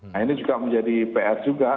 nah ini juga menjadi pr juga